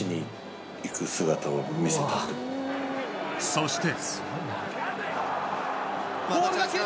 そして。